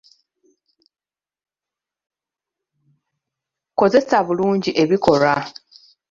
Kozesa bulungi ebikolwa.